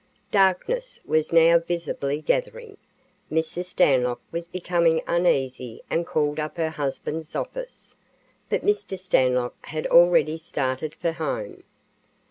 Darkness was now visibly gathering. Mrs. Stanlock was becoming uneasy and called up her husband's office, but Mr. Stanlock had already started for home.